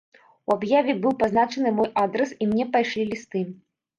У аб'яве быў пазначаны мой адрас, і мне пайшлі лісты.